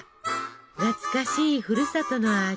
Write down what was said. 懐かしいふるさとの味